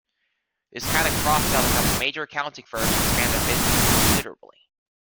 This kind of cross-selling helped major accounting firms to expand their businesses considerably.